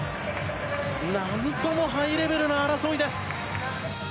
なんともハイレベルな争いです。